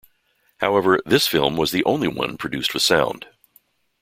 However, this film was the only one produced with sound.